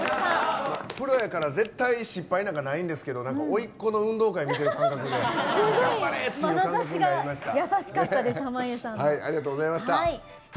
プロやから絶対失敗なんかないんですけどおいっ子の運動会を見てる感覚で頑張れ！っていう感覚になりました。